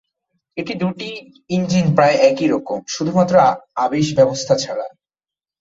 এই দুটি ইঞ্জিন প্রায় একই রকম ছিল, শুধুমাত্র আবেশ ব্যবস্থা ছাড়া।